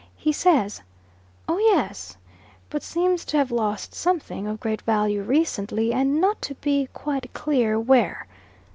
He says, "Oh, yes," but seems to have lost something of great value recently, and not to be quite clear where.